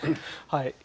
はい。